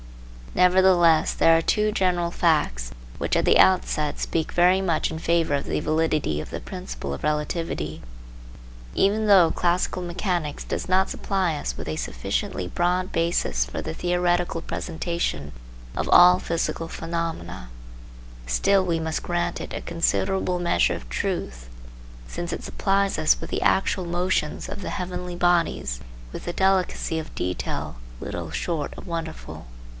Nevertheless, there are two general facts which at the outset speak very much in favour of the validity of the principle of relativity. Even though classical mechanics does not supply us with a sufficiently broad basis for the theoretical presentation of all physical phenomena, still we must grant it a considerable measure of " truth," since it supplies us with the actual motions of the heavenly bodies with a delicacy of detail little short of wonderful.